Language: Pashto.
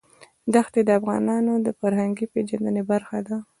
دښتې د افغانانو د فرهنګي پیژندنې برخه ده.